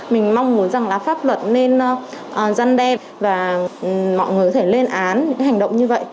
mình mong muốn rằng là pháp luật nên giăn đe và mọi người có thể lên án những hành động như vậy